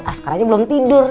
askaranya belum tidur